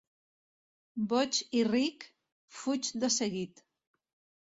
Boig i ric, fuig de seguit.